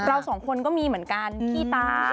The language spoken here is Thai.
เราสองคนก็มีเหมือนกันขี้ตา